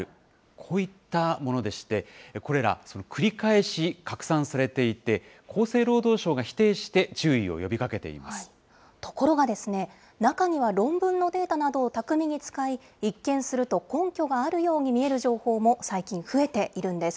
こういったものでして、これら、繰り返し拡散されていて、厚生労働省が否定して注意を呼びかけてところがですね、中には論文のデータなどを巧みに使い、一見すると根拠があるように見える情報も最近増えているんです。